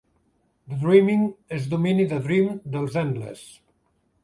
The Dreaming és domini de Dream, dels Endless.